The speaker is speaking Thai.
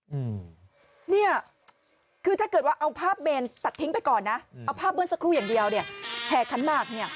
อืมเนี่ยคือถ้าเกิดว่าเอาภาพเมนตัดทิ้งไปก่อนนะเอาภาพเมื่อสักครู่อย่างเดียวเนี่ยแห่ขันหมากเนี่ย